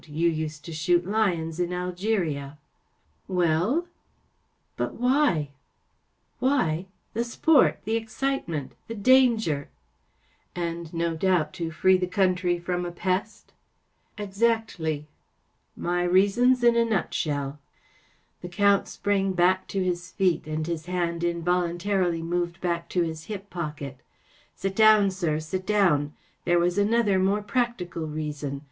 You used to shoot lions in Algeria.‚ÄĚ 44 Well ? ‚ÄĚ 44 But why ? ‚ÄĚ *|Why ? The sport‚ÄĒthe excitement‚ÄĒ the danger ! ‚ÄĚ 44 And, no doubt, to free the country from a pest ? ‚ÄĚ 44 Exactly ! ‚ÄĚ 44 My reasons in a nutshell ! ‚ÄĚ The Count sprang to his feet, and his hand involuntarily moved back to his hip pocket. 44 Sit down, sir, sit down 1 There was another, more practical, reason.